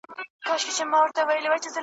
زه مي د عُمر د خزان له څانګي ورژېدم `